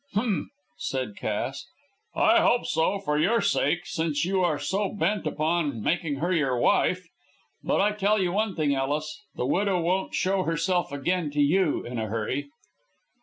"Humph!" said Cass. "I hope so, for your sake, since you are so bent upon making her your wife. But I tell you one thing, Ellis, the widow won't show herself again to you in a hurry."